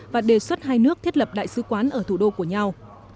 và đề xuất hai nước thiết lập đại sứ quán ở thủ đô của nhau